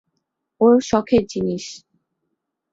ওর শখের জিনিস।